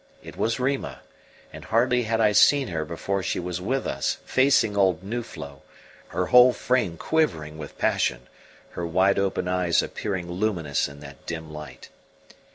It was Rima, and hardly had I seen her before she was with us, facing old Nuflo, her whole frame quivering with passion, her wide open eyes appearing luminous in that dim light.